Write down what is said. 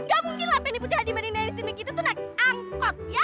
gak mungkin lah penny putri hadirin dari sini gitu tuh naik angkot ya